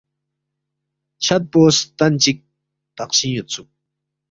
چھدپو ستن چِک تخشِنگ یودسُوک